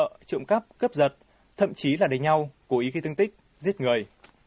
các đối tượng cấp cấp giật thậm chí là đánh nhau cố ý khi tương tích giết người